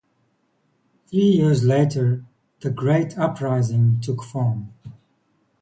Three years later The Great Uprising took form.